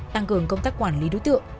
tăng cường công tác quản lý đối tượng